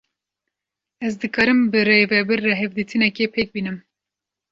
Ez dikarim bi rêvebir re hevdîtinekê pêk bînim?